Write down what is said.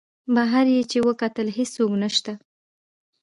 بهر یې چې وکتل هېڅوک نسته.